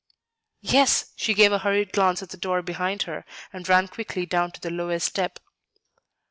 "Yes." She gave a hurried glance at the door behind her, and ran quickly down to the lowest step.